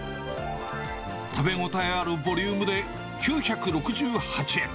食べ応えあるボリュームで９６８円。